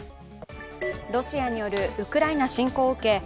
ロシアによるウクライナ侵攻を受け